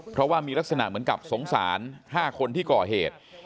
เพราะว่ามีลักษณะเหมือนกับสงสาร๕คนที่ก่อเหตุ